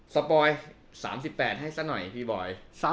ปอย๓๘ให้ซะหน่อยพี่บอย